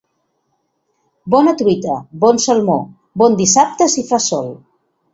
Bona truita, bon salmó, bon dissabte si fa sol.